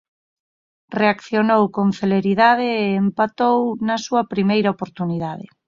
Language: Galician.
Reaccionou con celeridade e empatou na súa primeira oportunidade.